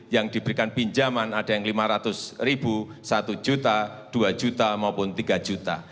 yang diberikan pinjaman ada yang rp lima ratus rp satu juta rp dua juta maupun rp tiga juta